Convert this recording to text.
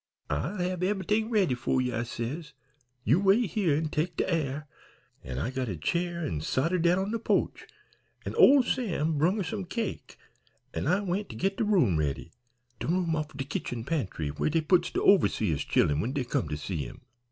'I'll hab ev'ything ready for ye,' I says. 'You wait here an' take de air,' an' I got a chair an' sot her down on de po'ch, an' ole Sam brung her some cake, an' I went to git de room ready de room offn de kitchen pantry, where dey puts de overseer's chillen when dey come to see him.